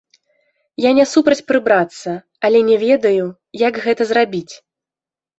Я не супраць прыбрацца, але не ведаю, як гэта зрабіць.